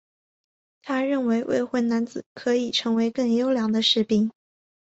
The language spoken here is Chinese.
他认为未婚男子可以成为更优良的士兵。